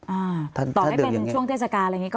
อ่าถ้าเดินอย่างเงี้ยต่อไม่เป็นถึงช่วงเทศกาอะไรอย่างงี้ก็